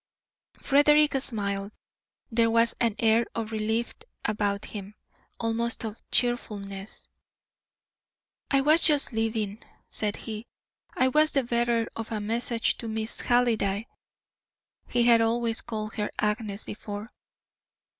Frederick smiled. There was an air of relief about him, almost of cheerfulness. "I was just leaving," said he. "I was the bearer of a message to Miss Halliday." He had always called her Agnes before.